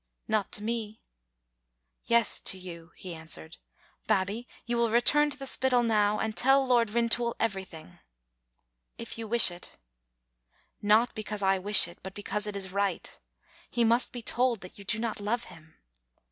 " "Not to me." "Yes, to you," he answered. "Babbie, you will re turn to the Spittal now, and tell Lord Rintoul every thing." "Ifyouwishit." " Not because I wish it, but because it is right. He must be told that you do not love him."